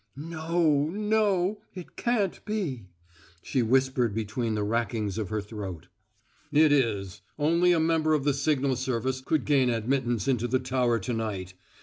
"No no; it can't be," she whispered between the rackings of her throat. "It is! Only a member of the signal service could gain admittance into the tower to night.